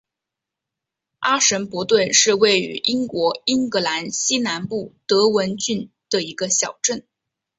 阿什伯顿是位于英国英格兰西南部德文郡的一座小镇。